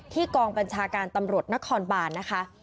กองบัญชาการตำรวจนครบานนะคะ